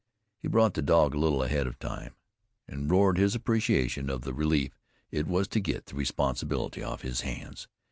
He brought the dog a little ahead time, and roared his appreciation of the relief it to get the responsibility off his hands.